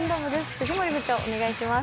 藤森部長お願いします。